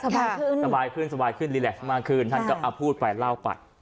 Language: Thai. สบายขึ้นสบายขึ้นสบายขึ้นรีแลกมากขึ้นท่านก็พูดไปเล่าไป